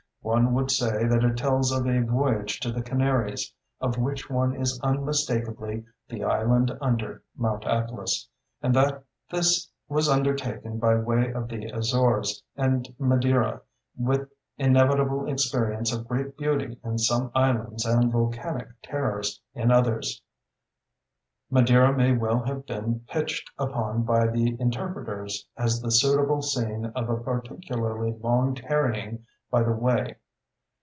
One would say that it tells of a voyage to the Canaries, of which one is unmistakably "the island under Mount Atlas", and that this was undertaken by way of the Azores and Madeira, with inevitable experience of great beauty in some islands and volcanic terrors in others. Madeira may well have been pitched upon by the interpreters as the suitable scene of a particularly long tarrying by the way.